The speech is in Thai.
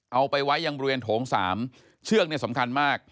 เอาไปไว้ยังบริเวณโถง๓เชือกเนี่ยสำคัญมาก